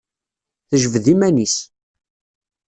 Tejbed iman-is.